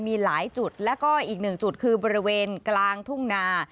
มีหลายจุดแล้วก็อีกหนึ่งจุดคือบริเวณกลางทุ่งนา